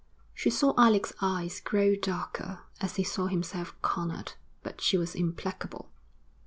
She saw Alec's eyes grow darker as he saw himself cornered, but she was implacable.